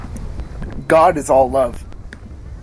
God is all love.